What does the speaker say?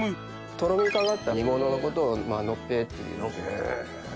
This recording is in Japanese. とろみかかった煮物のことをのっぺいっていう。